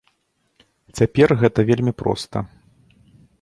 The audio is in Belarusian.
Цяпер гэта вельмі проста!